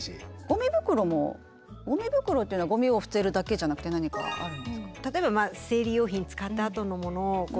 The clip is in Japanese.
ゴミ袋もゴミ袋っていうのはゴミを捨てるだけじゃなくて何かあるんですか？